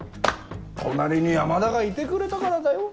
隣に山田がいてくれたからだよ。